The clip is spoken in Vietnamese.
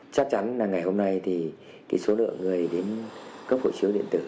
chắc chắn là ngày hôm nay thì số lượng người đến cấp hộ chiếu điện tử